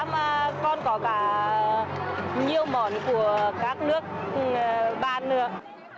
mà còn có cả nhiều món của các nước ba nước